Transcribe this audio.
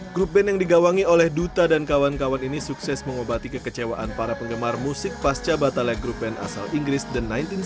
grup band yang digawangi oleh duta dan kawan kawan ini sukses mengobati kekecewaan para penggemar musik pasca batalya grup band asal inggris the seribu sembilan ratus tujuh puluh lima